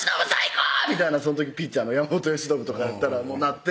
みたいなその時ピッチャーの山本由伸とかだったらなって